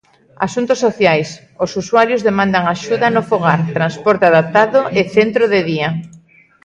Asuntos sociais: os usuarios demandan axuda no fogar, transporte adaptado e centro de día.